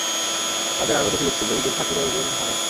তাদের আরো দুটি ঈদ ছিল—ঈদুল ফাতির ও ঈদুল হামল।